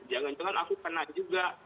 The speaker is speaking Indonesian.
jangan jangan aku kena juga